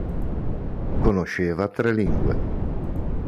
Conosceva tre lingue.